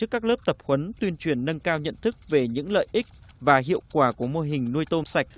các lớp tập huấn tuyên truyền nâng cao nhận thức về những lợi ích và hiệu quả của mô hình nuôi tôm sạch